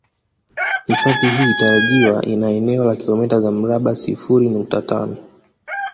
Hifadhi hii tarajiwa ina eneo la kilomita za mraba sifuri nukta tano